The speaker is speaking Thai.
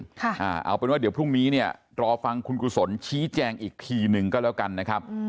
เอาเป็นว่าเดี๋ยวพรุ่งนี้เนี่ยรอฟังคุณกุศลชี้แจงอีกทีหนึ่งก็แล้วกันนะครับ